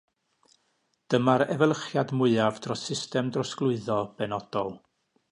Dyma'r efelychiad mwyaf dros system drosglwyddo benodol.